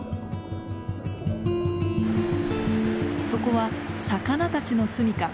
そこは魚たちのすみか。